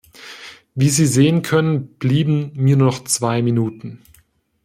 Wie Sie sehen können, blieben mir noch zwei Minuten.